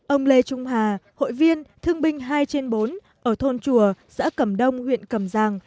ông lê trung hà hội viên thương binh hai trên bốn ở thôn chùa xã cẩm đông huyện cầm giang